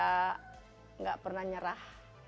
tidak pernah menyerah